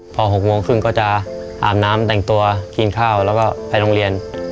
พอ๖โมงครึ่งก็จะอาบน้ำแต่งตัวกินข้าวแล้วก็ไปโรงเรียน